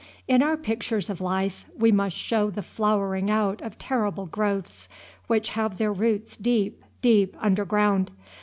In our pictures of life, we must show the flowering out of terrible growths which have their roots deep, deep underground.